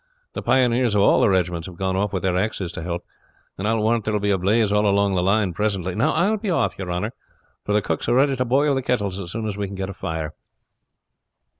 The pioneers of all the regiments have gone off with their axes to help, and I will warrant there will be a blaze all along the line presently. Now I will be off, your honor; for the cooks are ready to boil the kettles as soon as we can get a fire."